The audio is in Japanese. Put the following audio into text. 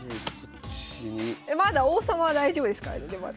まだ王様は大丈夫ですからねでも私。